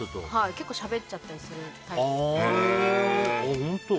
結構、しゃべっちゃったりするタイプなので。